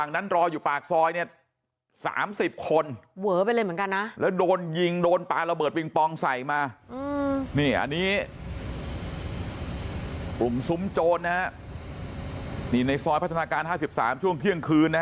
นี้ปุ่มซุ่มโจรนะในซอยพัฒนาการ๕๓ช่วงเที่ยงคืนนะ